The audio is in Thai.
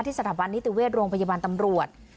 สถาบันนิติเวชโรงพยาบาลตำรวจ